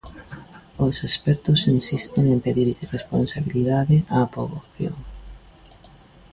Os expertos insisten en pedirlle responsabilidade á poboación.